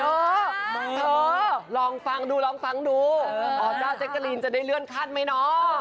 เออลองฟังดูอ๋อเจ้าเจ๊กะรีนจะได้เลื่อนคัดไหมเนอะ